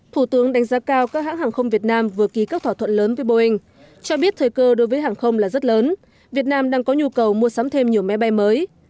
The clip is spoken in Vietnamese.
thủ tướng đánh giá cao các hãng hàng không việt nam vừa ký các thỏa thuận lớn với boeing cho biết thời cơ đối với hàng không là rất lớn việt nam đang có nhu cầu mua sắm thêm nhiều máy bay mới